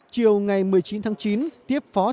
chiều ngày một mươi chín tháng chín tiếp phóng